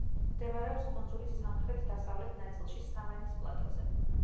მდებარეობს კუნძულის სამხრეთ-დასავლეთ ნაწილში სავანის პლატოზე.